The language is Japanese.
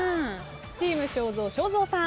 チーム正蔵正蔵さん。